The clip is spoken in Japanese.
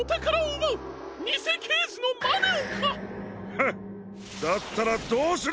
フッだったらどうする！？